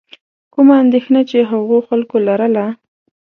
کومه اندېښنه چې هغو خلکو لرله.